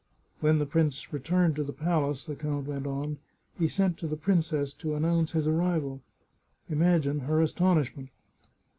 " When the prince returned to the palace," the count went on, " he sent to the princess to announce his arrival. Imagine her astonishment